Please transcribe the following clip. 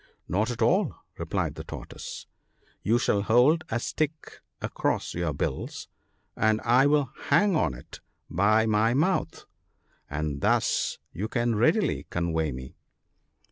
" Not at all !" replied the Tortoise ;" you shall hold a stick across in your bills, and I will hang on to it by my mouth — and thus you can readily convey me."